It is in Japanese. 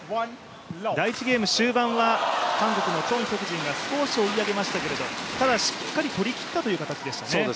第１ゲーム終盤は韓国のチョン・ヒョクジンが少し追い上げましたけれどただ、しっかりと取りきった形でしたね。